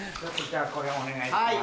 これお願いします。